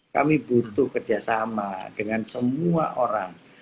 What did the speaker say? kami butuh kerjasama dengan semua orang